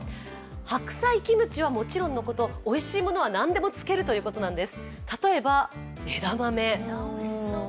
白菜キムチはもちろんのことおいしいものは何でも漬けるということなんです。